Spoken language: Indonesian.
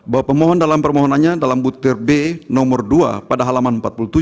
bahwa pemohon dalam permohonannya dalam butir b nomor dua pada halaman empat puluh tujuh